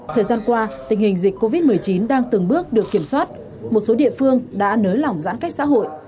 thời gian qua tình hình dịch covid một mươi chín đang từng bước được kiểm soát một số địa phương đã nới lỏng giãn cách xã hội